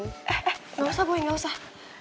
nggak usah gue gak usah